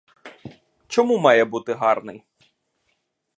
Чому має бути гарний.